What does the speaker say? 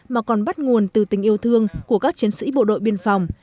mà còn bắt nguồn từ tình yêu thương của các chiến sĩ bộ đội biên phòng